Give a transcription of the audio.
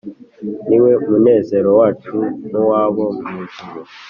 Ni we munezero wacu N'uw'abo mw ijuru